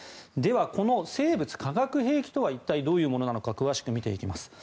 では、この生物・化学兵器とは一体どういうものなのか詳しく見ていきます。